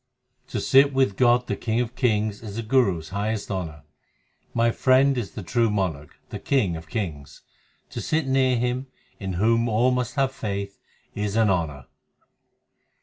To sit with God the King of kings is the Guru s highest honour : My Friend is the true monarch, the King of kings ; To sit near Him, in whom all must have faith, is an honour.